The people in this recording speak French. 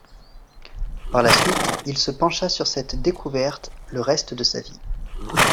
Par la suite, il se pencha sur cette découverte le reste de sa vie.